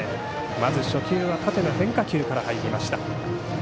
まず初球は縦の変化球から入りました。